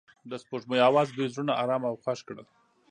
د سپوږمۍ اواز د دوی زړونه ارامه او خوښ کړل.